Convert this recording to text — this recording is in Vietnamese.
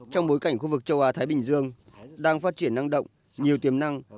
trong bối cảnh khu vực châu á thái bình dương đang phát triển năng động nhiều tiềm năng